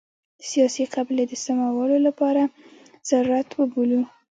د سیاسي قبلې د سمولو لپاره ضرورت وبولو.